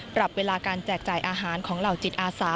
ปรับเวลาการแจกจ่ายอาหารของเหล่าจิตอาสา